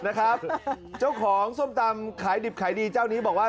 นะครับเจ้าของส้มตำขายดิบขายดีเจ้านี้บอกว่า